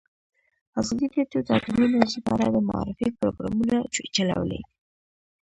ازادي راډیو د اټومي انرژي په اړه د معارفې پروګرامونه چلولي.